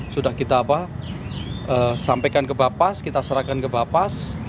sudah kita sampaikan ke bapas kita serahkan ke bapas